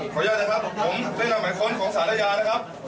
ขออนุญาตครับผมให้กันหมายค้นของศาลายานะครับ